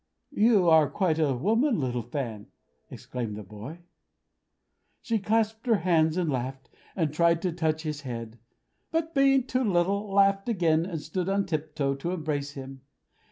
"You are quite a woman, little Fan!" exclaimed the boy. She clapped her hands and laughed, and tried to touch his head; but being too little, laughed again, and stood on tiptoe to embrace him.